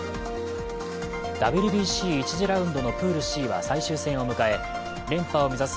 ＷＢＣ１次ラウンドのプールＣは最終戦を迎え連覇を目指す